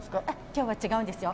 今日は違うんですよ。